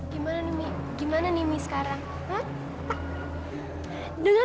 jadi mati sekarang